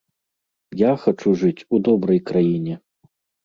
Я хачу жыць у добрай краіне.